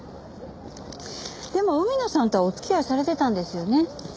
でも海野さんとはお付き合いされてたんですよね？